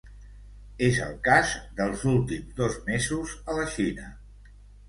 És el cas dels últims dos mesos a la Xina.